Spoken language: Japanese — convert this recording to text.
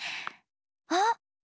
あっ！